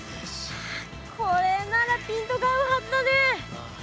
これならピントが合うはずだね。